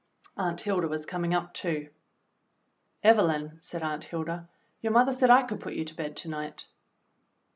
Aunt Hilda was coming up too. "Evelyn," said Aunt Hilda, "your mother said I cx)uld put you to bed to night."